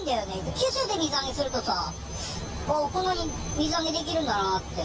九州とかで水揚げするとさ、こんなに水揚げできるんだなって。